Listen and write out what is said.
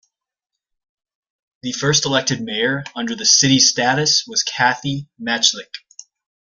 The first elected Mayor under the 'City status was Kathy Majdlik.